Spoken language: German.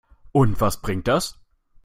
Und was bringt das?